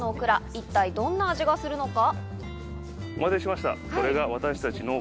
一体どんな味がするのか。